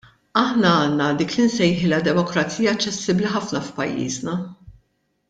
Aħna għandna dik li nsejħilha demokrazija aċċessibbli ħafna f'pajjiżna.